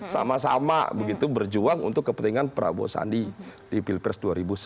sama sama begitu berjuang untuk kepentingan prabowo sandi di pilpres dua ribu sembilan belas